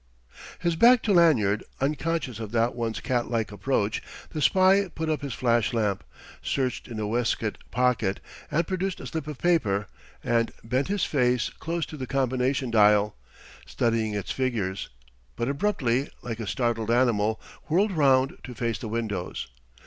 His back to Lanyard, unconscious of that one's catlike approach, the spy put up his flash lamp, searched in a waistcoat pocket and produced a slip of paper, and bent his face close to the combination dial, studying its figures; but abruptly, like a startled animal, whirled round to face the windows.